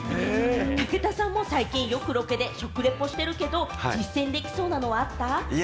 武田さんも最近よくロケで食リポしてるけれども、実践できそうなのはあった？